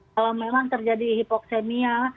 kalau memang terjadi hipoksemia